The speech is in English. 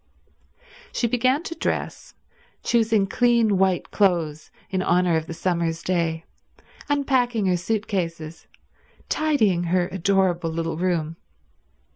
She began to dress, choosing clean white clothes in honour of the summer's day, unpacking her suit cases, tidying her adorable little room.